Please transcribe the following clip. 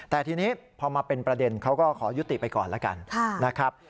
แต่ทีนี้พอมาเป็นประเด็นเขาก็ขอยุติไปก่อนแล้วกันนะครับ